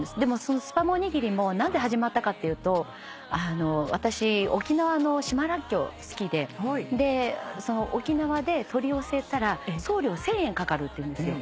スパムおにぎりも何で始まったかっていうと私沖縄の島らっきょう好きで沖縄で取り寄せたら送料１，０００円かかるっていうんですよ。